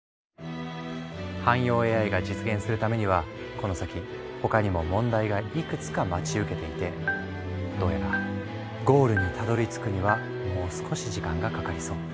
汎用ＡＩが実現するためにはこの先他にも問題がいくつか待ち受けていてどうやらゴールにたどりつくにはもう少し時間がかかりそう。